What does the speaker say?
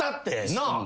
なあ？